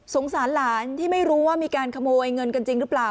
สารหลานที่ไม่รู้ว่ามีการขโมยเงินกันจริงหรือเปล่า